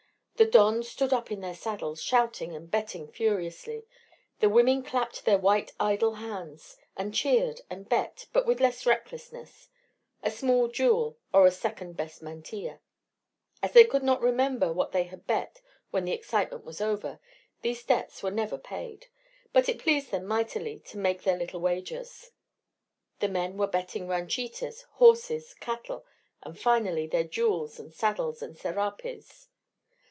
The dons stood up in their saddles, shouting and betting furiously. The women clapped their white idle hands, and cheered, and bet but with less recklessness: a small jewel or a second best mantilla. As they could not remember what they had bet when the excitement was over, these debts were never paid; but it pleased them mightily to make their little wagers. The men were betting ranchitas, horses, cattle, and, finally, their jewels and saddles and serapes.